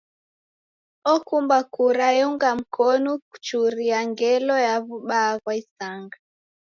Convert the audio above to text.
Okumba kura eunga mkonu kuchuria ngelo ya w'ubaa ghwa isanga.